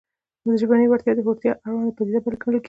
ژبنۍ وړتیا د هوښیارتیا اړونده پدیده ګڼل کېږي